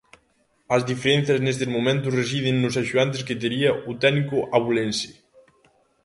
As diferenzas nestes momentos residen nos axudantes que tería o técnico abulense.